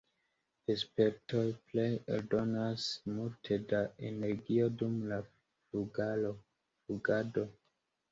Vespertoj pleje eldonas multe da energio dum la flugado.